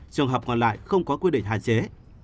trường hợp còn lại không có quy định hạn chế